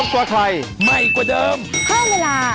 ก็ได้ก็ได้